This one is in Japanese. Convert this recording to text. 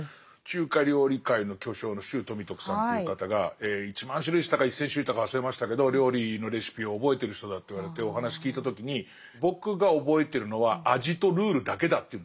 中華料理界の巨匠の周富徳さんという方が１万種類って言ったか１，０００種類って言ったか忘れましたけど料理のレシピを覚えてる人だと言われてお話聞いた時に僕が覚えてるのは味とルールだけだって言うんです。